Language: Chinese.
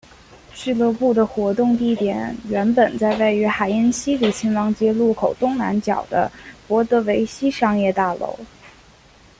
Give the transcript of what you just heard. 俱乐部的活动地点原本在位于海因里希亲王街路口东南角的博德维希商业大楼。